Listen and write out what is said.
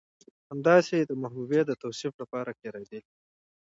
همداسې د محبوبې د توصيف لپاره کارېدلي